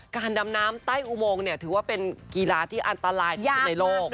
การดำน้ำใต้อุโมงถือว่าเป็นกีฬาที่อันตรายที่สุดในโลก